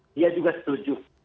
dia juga setuju